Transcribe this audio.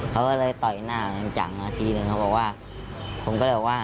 เขาก็เลยต่อยหน้ากันจังนาทีหนึ่งเขาบอกว่าผมก็เลยบอกว่า